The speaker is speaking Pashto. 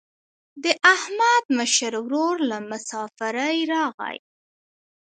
د احمد مشر ورور له مسافرۍ راغی.